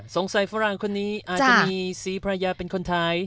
ฝรั่งคนนี้อาจจะมีสีภรรยาเป็นคนไทย